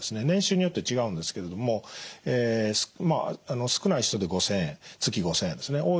年収によって違うんですけれども少ない人で月５，０００円ですね。